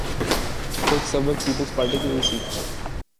کچھ سبق پیپلزپارٹی سے ہی سیکھ لیں۔